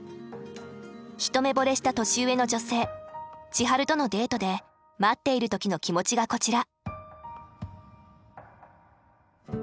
一目ぼれした年上の女性千春とのデートで待っている時の気持ちがこちら。